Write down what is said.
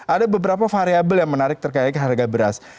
ada beberapa variable yang menarik terkait harga beras